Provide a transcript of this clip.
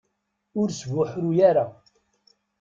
Ur sbuḥruy ara.